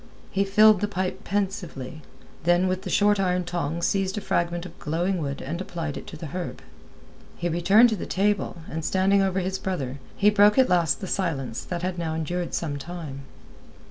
He filled the pipe pensively, then with the short iron tongs seized a fragment of glowing wood and applied it to the herb. He returned to the table, and standing over his brother, he broke at last the silence that had now endured some time.